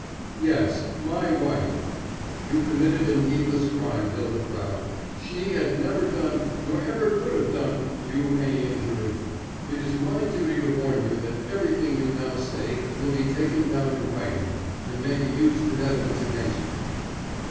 "Yes, my wife. You committed a needless crime, Hylda Prout. She had never done, nor ever could have done, you any injury. But it is my duty to warn you that everything you now say will be taken down in writing, and may be used in evidence against you."